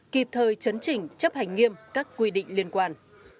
kịp thời chấn chỉnh chấp hành nghiêm các quy định liên quan